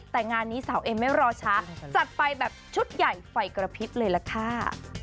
แต่งานนี้สาวเอ็มไม่รอช้าจัดไปแบบชุดใหญ่ไฟกระพริบเลยล่ะค่ะ